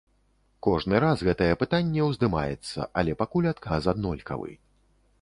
Кожны раз гэтае пытанне ўздымаецца, але пакуль адказ аднолькавы.